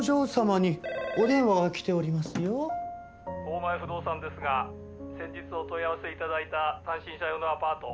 「大前不動産ですが先日お問い合わせ頂いた単身者用のアパート